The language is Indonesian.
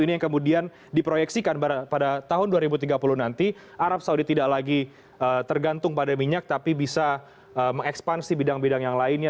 ini yang kemudian diproyeksikan pada tahun dua ribu tiga puluh nanti arab saudi tidak lagi tergantung pada minyak tapi bisa mengekspansi bidang bidang yang lainnya